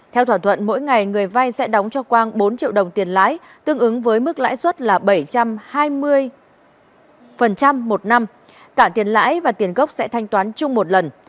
theo thỏa thuận mỗi ngày người vai sẽ đóng cho quang bốn triệu đồng tiền lãi tương ứng với mức lãi suất là bảy trăm hai mươi một năm cả tiền lãi và tiền gốc sẽ thanh toán chung một lần